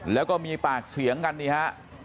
แล้วก็มีปากเสียงกันนี่ฮะ